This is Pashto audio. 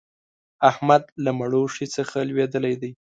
احمد له مړوښې څخه لوېدلی دی.